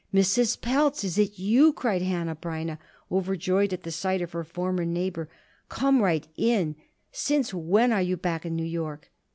"Mrs. Pelz, is it you!" cried Hanneh Breineh, overjoyed at the sight of her former neighbor. "Come right in. Since when are you back in New York?"